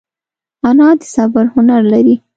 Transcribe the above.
انا د صبر هنر لري